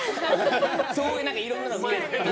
そういういろんなのがね。